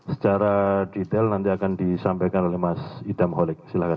secara detail nanti akan disampaikan oleh mas idam holik silakan